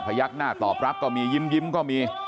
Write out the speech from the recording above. ยักหน้าตอบรับก็มียิ้มก็มี